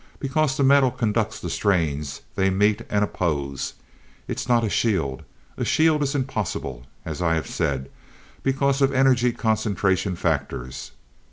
Because the metal conducts the strains, they meet, and oppose. It is not a shield a shield is impossible, as I have said, because of energy concentration factors.